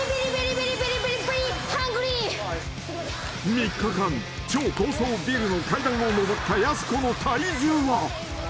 ［３日間超高層ビルの階段を上ったやす子の体重は？］